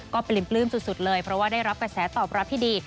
ก็ปริมปลื้มสุดเลยเพราะว่าได้รับกระแสตอบรับที่ดี